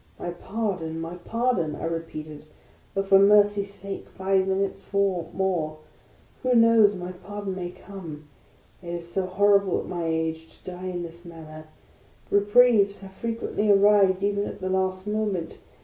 My pardon, my pardon !" I repeated. " Oh, for mercy's sake, five minutes more ! Who knows, my pardon may come. It is so horrible at my age to die in this manner. Reprieves have frequently arrived even at the last moment!